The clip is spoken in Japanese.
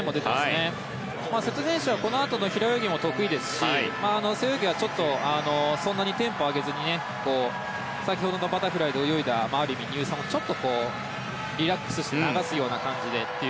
瀬戸選手はこのあとの平泳ぎも得意ですし背泳ぎはちょっとそんなにテンポを上げずに先ほどのバタフライで泳いでたまった乳酸をちょっとリラックスして流すような感じで。